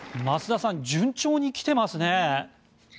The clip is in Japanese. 増田さん、順調に来ていますね。